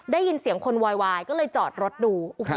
ได้ยินเสียงคนโวยวายก็เลยจอดรถดู